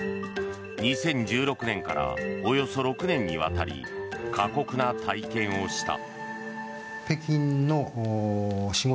２０１６年からおよそ６年にわたり過酷な体験をした。